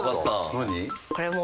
何？